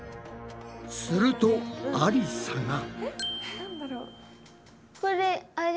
するとありさが。